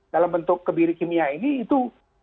dalam bentuk kebiri kimia ini itu